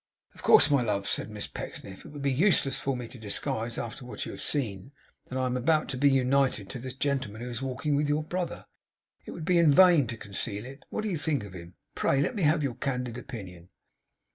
'Of course, my love,' said Miss Pecksniff, 'it would be useless for me to disguise, after what you have seen, that I am about to be united to the gentleman who is walking with your brother. It would be in vain to conceal it. What do you think of him? Pray, let me have your candid opinion.